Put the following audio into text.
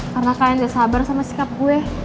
karena kalian udah sabar sama sikap gue